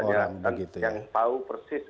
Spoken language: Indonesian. orang yang tahu persis